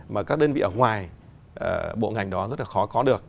mà các đơn vị ở ngoài bộ ngành đó rất là khó có được